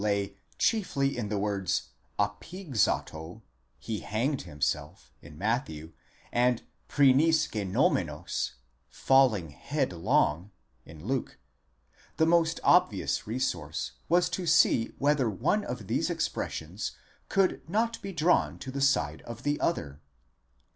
DEATH OF THE BETRAYER, 663 chiefly in the words ἀπήγξατο, he hanged himself, in Matthew, and πρηνὴς γενόμενος, falling headlong, in Luke, the most obvious resource was to see whether one of these expressions could not be drawn to the side of the other.